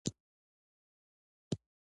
هندوکش د افغانستان د شنو سیمو ښکلا ده.